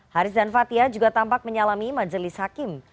haris dan fathia juga tampak menyalami majelis hakim